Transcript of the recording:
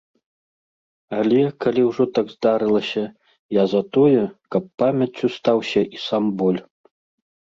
Але, калі ўжо так здарылася, я за тое, каб памяццю стаўся і сам боль.